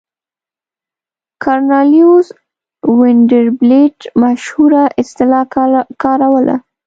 کارنلیوس وینډربیلټ مشهوره اصطلاح کاروله.